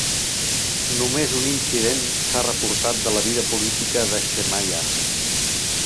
Només un incident s'ha reportat de la vida política de Shemaiah.